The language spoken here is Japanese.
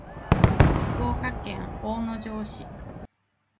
福岡県大野城市